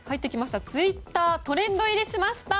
ツイッターでトレンド入りしました！